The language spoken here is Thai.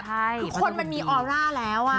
คือคนมันมีออร่าแล้ว